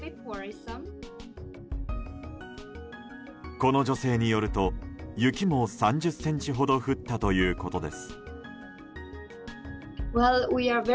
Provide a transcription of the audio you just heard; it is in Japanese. この女性によると、雪も３０ｃｍほど降ったということです。